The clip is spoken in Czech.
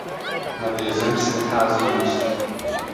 Nad jezem se nachází most.